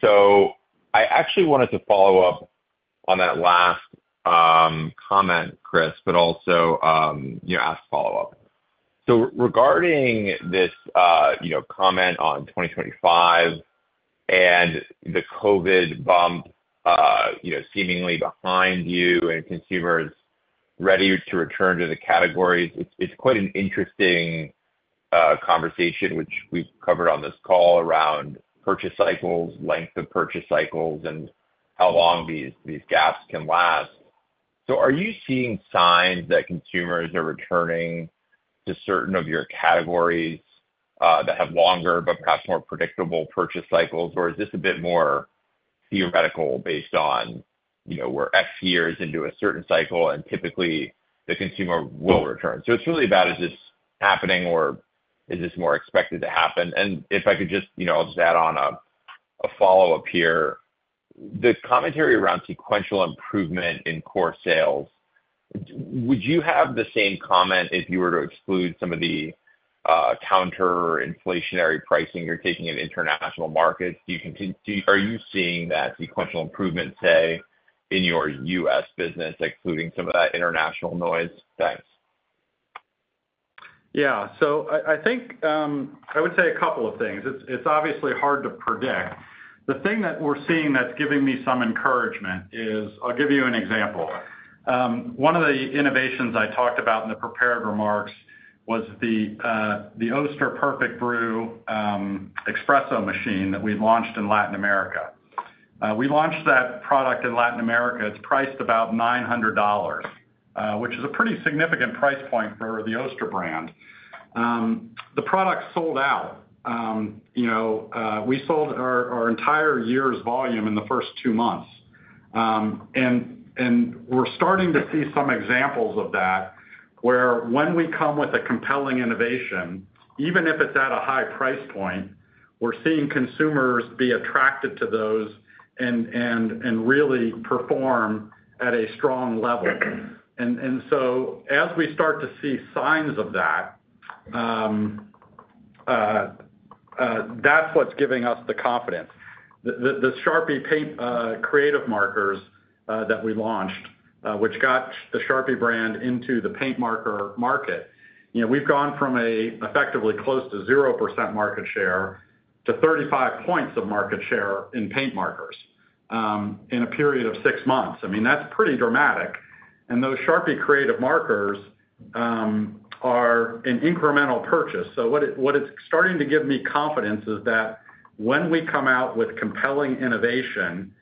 So I actually wanted to follow up on that last comment, Chris, but also ask a follow-up. So regarding this comment on 2025 and the COVID bump seemingly behind you and consumers ready to return to the categories, it's quite an interesting conversation, which we've covered on this call around purchase cycles, length of purchase cycles, and how long these gaps can last. So are you seeing signs that consumers are returning to certain of your categories that have longer but perhaps more predictable purchase cycles, or is this a bit more theoretical based on we're X years into a certain cycle and typically the consumer will return? So it's really about is this happening or is this more expected to happen? And if I could just, I'll just add on a follow-up here. The commentary around sequential improvement in core sales, would you have the same comment if you were to exclude some of the counter-inflationary pricing you're taking in international markets? Are you seeing that sequential improvement, say, in your U.S. business, excluding some of that international noise? Thanks. Yeah. So I think I would say a couple of things. It's obviously hard to predict. The thing that we're seeing that's giving me some encouragement is I'll give you an example. One of the innovations I talked about in the prepared remarks was the Oster Perfect Brew espresso machine that we launched in Latin America. We launched that product in Latin America. It's priced about $900, which is a pretty significant price point for the Oster brand. The product sold out. We sold our entire year's volume in the first two months. And we're starting to see some examples of that where when we come with a compelling innovation, even if it's at a high price point, we're seeing consumers be attracted to those and really perform at a strong level. And so as we start to see signs of that, that's what's giving us the confidence. The Sharpie Creative Markers that we launched, which got the Sharpie brand into the paint marker market, we've gone from an effectively close to 0% market share to 35 points of market share in paint markers in a period of six months. I mean, that's pretty dramatic. And those Sharpie Creative Markers are an incremental purchase. So what it's starting to give me confidence is that when we come out with compelling innovation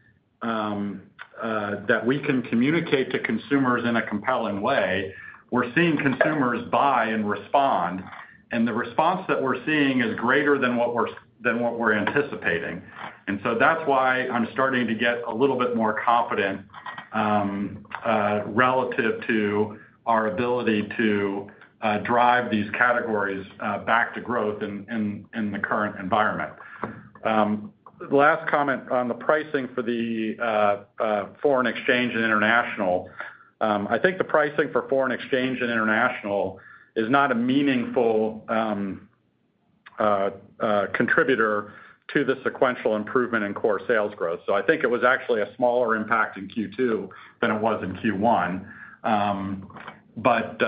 that we can communicate to consumers in a compelling way, we're seeing consumers buy and respond. And the response that we're seeing is greater than what we're anticipating. And so that's why I'm starting to get a little bit more confident relative to our ability to drive these categories back to growth in the current environment. Last comment on the pricing for the foreign exchange and international. I think the pricing for foreign exchange and international is not a meaningful contributor to the sequential improvement in core sales growth. So I think it was actually a smaller impact in Q2 than it was in Q1. But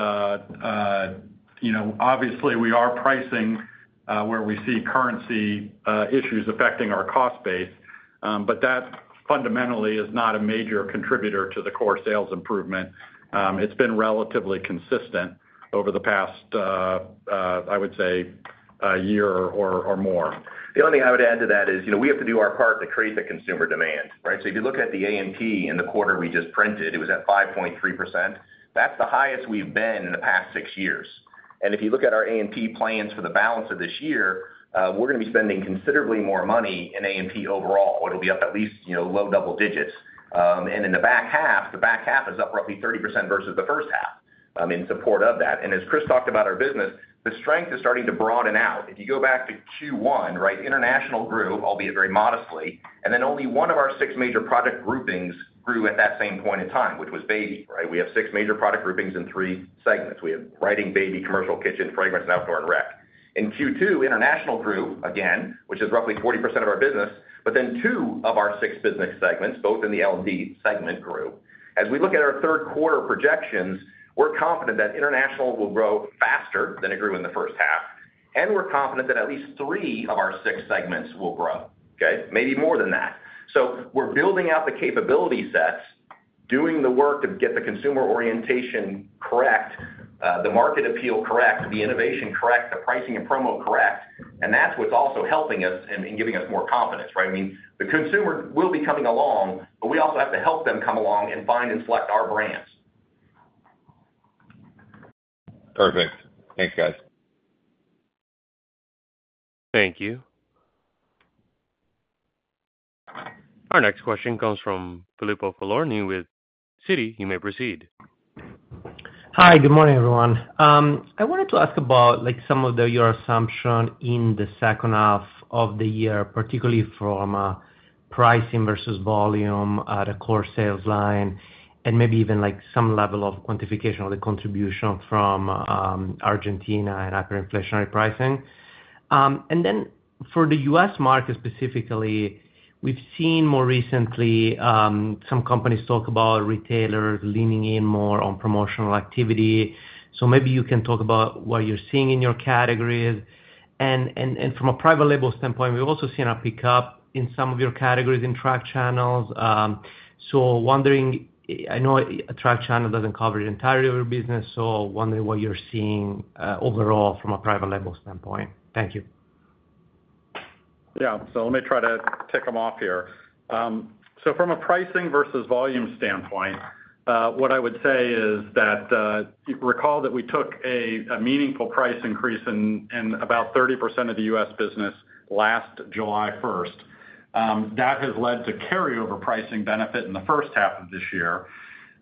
obviously, we are pricing where we see currency issues affecting our cost base, but that fundamentally is not a major contributor to the core sales improvement. It's been relatively consistent over the past, I would say, year or more. The only thing I would add to that is we have to do our part to create the consumer demand, right? So if you look at the A&P in the quarter we just printed, it was at 5.3%. That's the highest we've been in the past six years. If you look at our A&P plans for the balance of this year, we're going to be spending considerably more money in A&P overall. It'll be up at least low double digits. In the back half, the back half is up roughly 30% versus the first half in support of that. As Chris talked about our business, the strength is starting to broaden out. If you go back to Q1, right, international grew, albeit very modestly, and then only one of our six major product groupings grew at that same point in time, which was baby, right? We have six major product groupings in three segments. We have writing, baby, commercial, kitchen, fragrance, and Outdoor & Rec. In Q2, international grew again, which is roughly 40% of our business, but then two of our six business segments, both in the L&D segment, grew. As we look at our third quarter projections, we're confident that international will grow faster than it grew in the first half. And we're confident that at least three of our six segments will grow, okay? Maybe more than that. So we're building out the capability sets, doing the work to get the consumer orientation correct, the market appeal correct, the innovation correct, the pricing and promo correct. And that's what's also helping us and giving us more confidence, right? I mean, the consumer will be coming along, but we also have to help them come along and find and select our brands. Perfect. Thanks, guys. Thank you. Our next question comes from Filippo Falorni with Citi. You may proceed. Hi. Good morning, everyone. I wanted to ask about some of your assumptions in the second half of the year, particularly from pricing versus volume at a core sales line and maybe even some level of quantification of the contribution from Argentina and hyper-inflationary pricing. And then for the U.S. market specifically, we've seen more recently some companies talk about retailers leaning in more on promotional activity. So maybe you can talk about what you're seeing in your categories. And from a private label standpoint, we've also seen a pickup in some of your categories in tracked channels. So I know tracked channel doesn't cover the entirety of your business, so I'm wondering what you're seeing overall from a private label standpoint. Thank you. Yeah. So let me try to tick them off here. So from a pricing versus volume standpoint, what I would say is that you can recall that we took a meaningful price increase in about 30% of the U.S. business last July 1st. That has led to carryover pricing benefit in the first half of this year.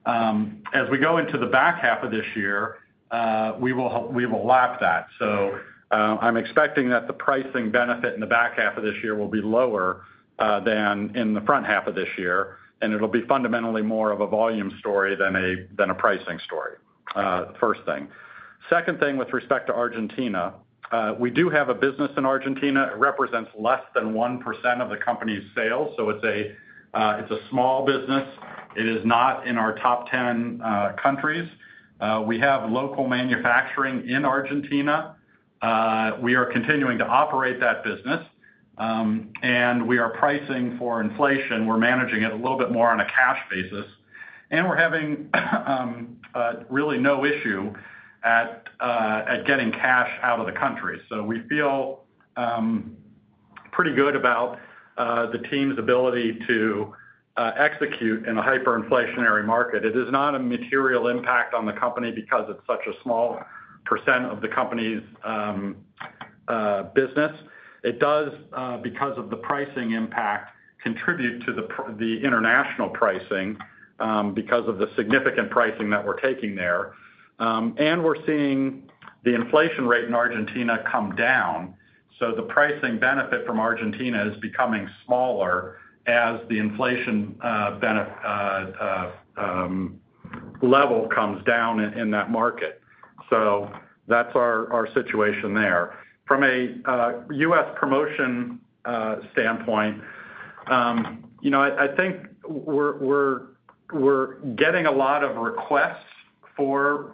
As we go into the back half of this year, we will lap that. So I'm expecting that the pricing benefit in the back half of this year will be lower than in the front half of this year. And it'll be fundamentally more of a volume story than a pricing story, first thing. Second thing, with respect to Argentina, we do have a business in Argentina. It represents less than 1% of the company's sales. So it's a small business. It is not in our top 10 countries. We have local manufacturing in Argentina. We are continuing to operate that business. We are pricing for inflation. We're managing it a little bit more on a cash basis. We're having really no issue at getting cash out of the country. So we feel pretty good about the team's ability to execute in a hyperinflationary market. It is not a material impact on the company because it's such a small percent of the company's business. It does, because of the pricing impact, contribute to the international pricing because of the significant pricing that we're taking there. We're seeing the inflation rate in Argentina come down. So the pricing benefit from Argentina is becoming smaller as the inflation level comes down in that market. So that's our situation there. From a U.S. promotion standpoint, I think we're getting a lot of requests for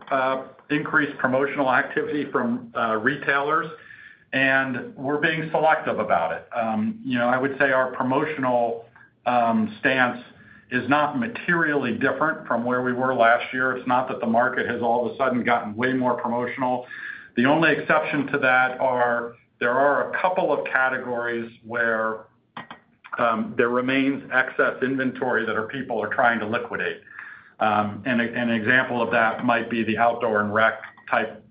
increased promotional activity from retailers, and we're being selective about it. I would say our promotional stance is not materially different from where we were last year. It's not that the market has all of a sudden gotten way more promotional. The only exception to that is there are a couple of categories where there remains excess inventory that people are trying to liquidate. An example of that might be the Outdoor & Rec type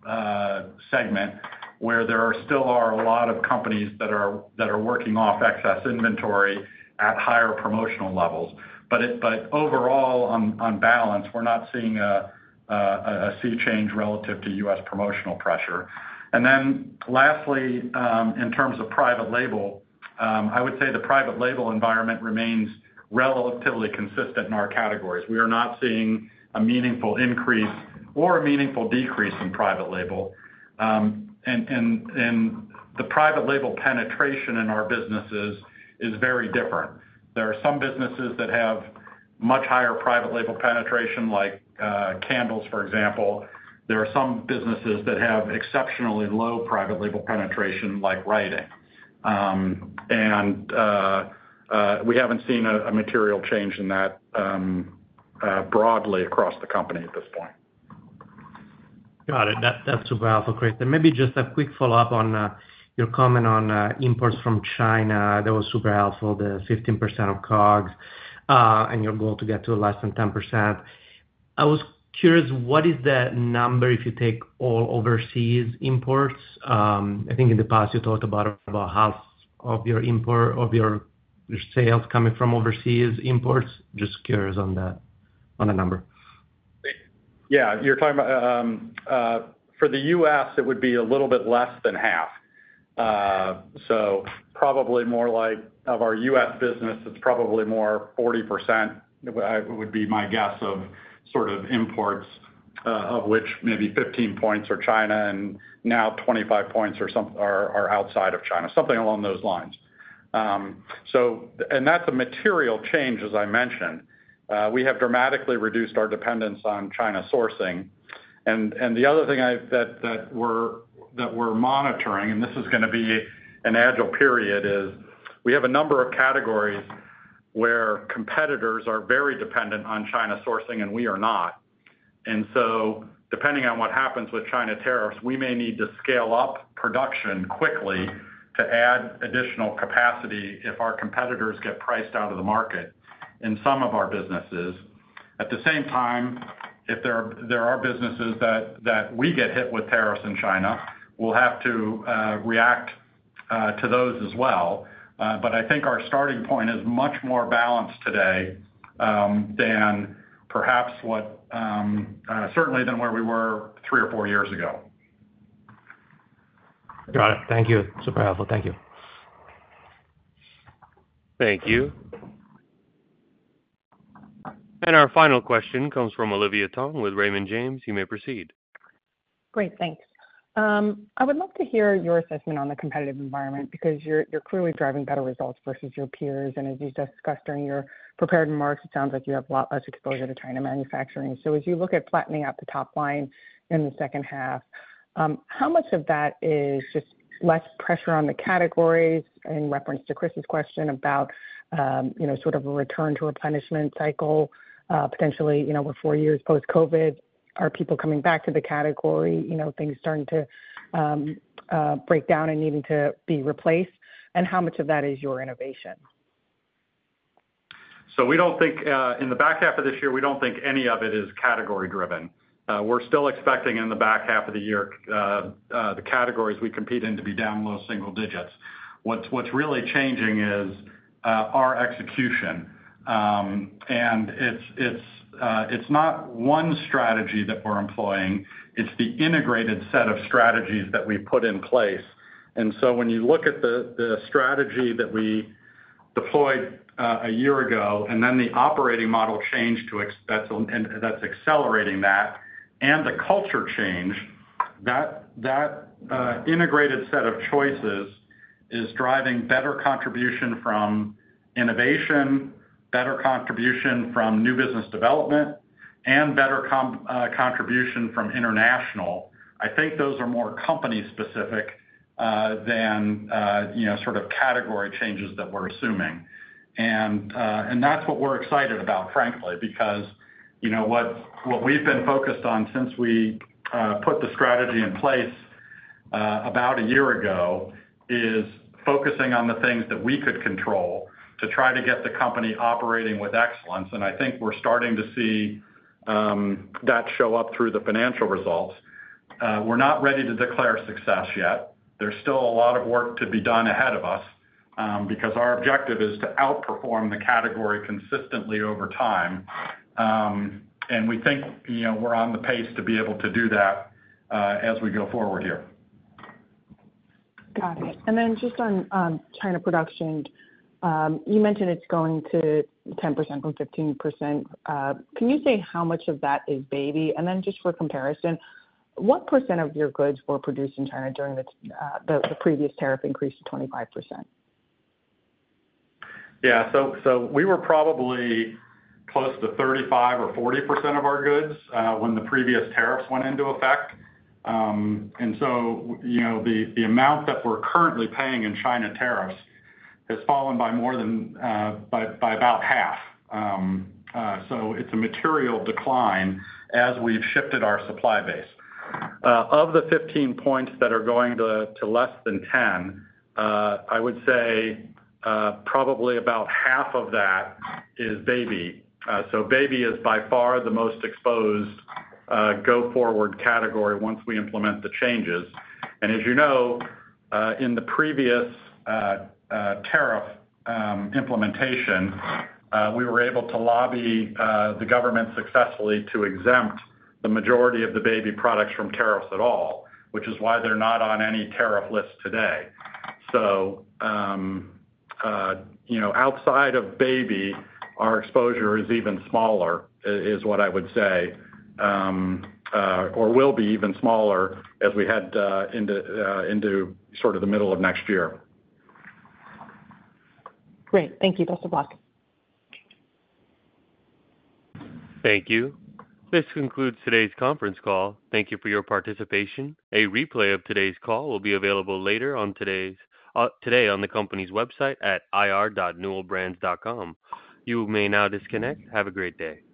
segment, where there still are a lot of companies that are working off excess inventory at higher promotional levels. Overall, on balance, we're not seeing a sea change relative to U.S. promotional pressure. Then lastly, in terms of private label, I would say the private label environment remains relatively consistent in our categories. We are not seeing a meaningful increase or a meaningful decrease in private label. The private label penetration in our businesses is very different. There are some businesses that have much higher private label penetration, like candles, for example. There are some businesses that have exceptionally low private label penetration, like writing. And we haven't seen a material change in that broadly across the company at this point. Got it. That's super helpful, Chris. And maybe just a quick follow-up on your comment on imports from China. That was super helpful, the 15% of COGS and your goal to get to less than 10%. I was curious, what is the number if you take all overseas imports? I think in the past, you talked about half of your sales coming from overseas imports. Just curious on the number. Yeah. For the U.S., it would be a little bit less than half. So probably more like of our U.S. business, it's probably more 40% would be my guess of sort of imports, of which maybe 15 points are China and now 25 points are outside of China, something along those lines. And that's a material change, as I mentioned. We have dramatically reduced our dependence on China sourcing. And the other thing that we're monitoring, and this is going to be an agile period, is we have a number of categories where competitors are very dependent on China sourcing and we are not. And so depending on what happens with China tariffs, we may need to scale up production quickly to add additional capacity if our competitors get priced out of the market in some of our businesses. At the same time, if there are businesses that we get hit with tariffs in China, we'll have to react to those as well. But I think our starting point is much more balanced today than perhaps certainly than where we were three or four yearsago. Got it. Thank you. Super helpful. Thank you. Thank you. And our final question comes from Olivia Tong with Raymond James. You may proceed. Great. Thanks. I would love to hear your assessment on the competitive environment because you're clearly driving better results versus your peers. And as you discussed during your prepared remarks, it sounds like you have a lot less exposure to China manufacturing. So as you look at flattening out the top line in the second half, how much of that is just less pressure on the categories in reference to Chris's question about sort of a return to replenishment cycle, potentially over four years post-COVID? Are people coming back to the category, things starting to break down and needing to be replaced? How much of that is your innovation? So in the back half of this year, we don't think any of it is category-driven. We're still expecting in the back half of the year the categories we compete in to be down low single digits. What's really changing is our execution. And it's not one strategy that we're employing. It's the integrated set of strategies that we put in place. And so when you look at the strategy that we deployed a year ago and then the operating model change that's accelerating that and the culture change, that integrated set of choices is driving better contribution from innovation, better contribution from new business development, and better contribution from international. I think those are more company-specific than sort of category changes that we're assuming. And that's what we're excited about, frankly, because what we've been focused on since we put the strategy in place about a year ago is focusing on the things that we could control to try to get the company operating with excellence. And I think we're starting to see that show up through the financial results. We're not ready to declare success yet. There's still a lot of work to be done ahead of us because our objective is to outperform the category consistently over time. And we think we're on the pace to be able to do that as we go forward here. Got it. And then just on China production, you mentioned it's going to 10% from 15%. Can you say how much of that is baby? And then just for comparison, what percent of your goods were produced in China during the previous tariff increase to 25%? Yeah. So we were probably close to 35% or 40% of our goods when the previous tariffs went into effect. And so the amount that we're currently paying in China tariffs has fallen by about half. So it's a material decline as we've shifted our supply base. Of the 15 points that are going to less than 10, I would say probably about half of that is baby. So baby is by far the most exposed go-forward category once we implement the changes. And as you know, in the previous tariff implementation, we were able to lobby the government successfully to exempt the majority of the baby products from tariffs at all, which is why they're not on any tariff list today. So outside of baby, our exposure is even smaller, is what I would say, or will be even smaller as we head into sort of the middle of next year. Great. Thank you. Best of luck. Thank you. This concludes today's conference call. Thank you for your participation. A replay of today's call will be available later on today on the company's website at ir.newellbrands.com. You may now disconnect. Have a great day.